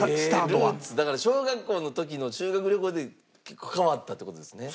ルーツだから小学校の時の修学旅行で結構変わったって事ですね。